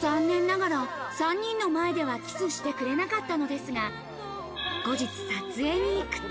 残念ながら３人の前ではキスしてくれなかったのですが、後日撮影に行くと。